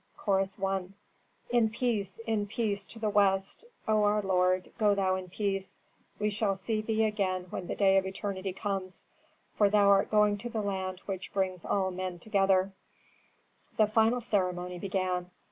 Chorus I. "In peace, in peace, to the West, O our lord, go thou in peace. We shall see thee again when the day of eternity comes, for thou art going to the land which brings all men together." Authentic. The final ceremony began.